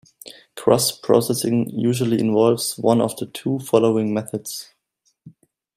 Cross processing usually involves one of the two following methods.